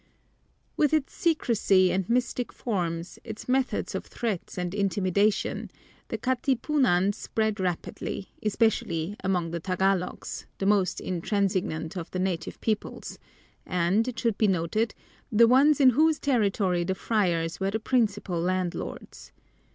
With its secrecy and mystic forms, its methods of threats and intimidation, the Katipunan spread rapidly, especially among the Tagalogs, the most intransigent of the native peoples, and, it should be noted, the ones in Whose territory the friars were the principal landlords.